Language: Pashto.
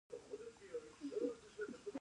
دریابونه د افغانستان د جغرافیې بېلګه ده.